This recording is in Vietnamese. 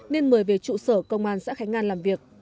nên mời về trụ sở công an xã khánh an làm việc